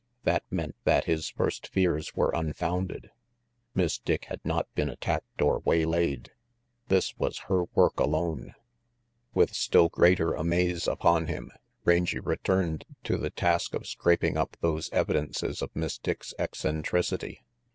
That meant that his first fears were unfounded. Miss Dick had not been attacked or waylaid. This was her work alone. With still greater amaze upon him, Rangy returned to the task of scraping up those evidences of Miss Dick's eccentricity.